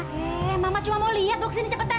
he mama cuma mau lihat bawa sini cepetan